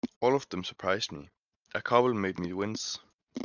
All of them surprised me; a couple made me wince.